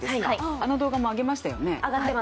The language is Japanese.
あの動画も上げましたよね？